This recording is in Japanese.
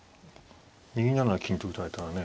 ２七金と打たれたらね